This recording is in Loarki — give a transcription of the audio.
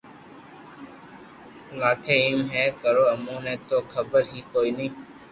لاگي ايم ھي ڪرو اموني تو خبر ھي ڪوئي